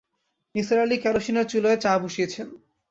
নিসার আলি কেরোসিনের চুলোয় চা বসিয়েছেন।